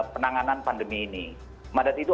penanganan pandemi ini mandat itu